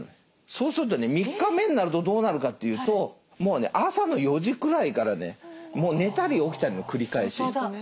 そうするとね３日目になるとどうなるかというともうね朝の４時くらいからねもう寝たり起きたりの繰り返し。